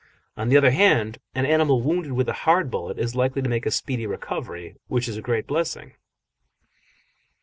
On the other hand, an animal wounded with a hard bullet is likely to make a speedy recovery, which is a great blessing.